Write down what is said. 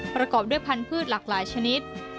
ประกอบด้วยพันธุ์หลากหลายชนิด